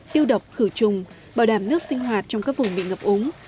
tiêu độc khử trùng bảo đảm nước sinh hoạt trong các vùng bị ngập úng